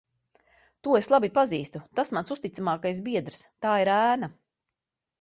To es labi pazīstu. Tas mans uzticamākais biedrs. Tā ir ēna.